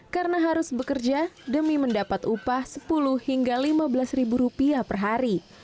karena harus bekerja demi mendapat upah sepuluh hingga lima belas ribu rupiah per hari